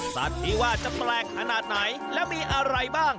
สัตว์ที่ว่าจะแปลกขนาดไหนและมีอะไรบ้าง